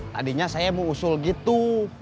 tadinya saya mau usul gitu